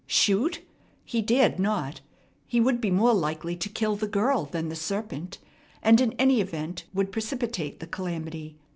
Shoot? He dared not. He would be more likely to kill the girl than the serpent, and in any event would precipitate the calamity.